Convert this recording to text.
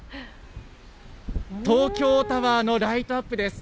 東京タワーのライトアップです。